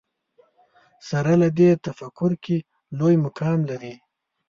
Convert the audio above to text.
سره له دې تفکر کې لوی مقام لري